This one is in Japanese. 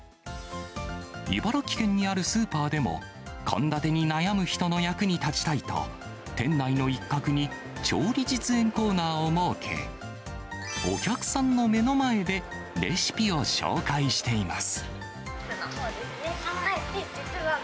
茨城県にあるスーパーでも、献立に悩む人の役に立ちたいと、店内の一角に調理実演コーナーを設け、お客さんの目の前でレシピを紹介しています。